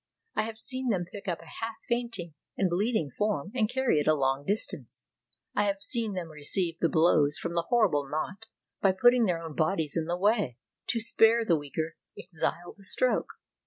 I have seen them pick up a half fainting and bleeding form and carry it a long distance. I have seen them receive the blows from the horrible knout by put ting their own bodies in the way, to spare the weaker exile the stroke.